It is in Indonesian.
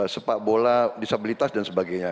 sepak bola disabilitas dan sebagainya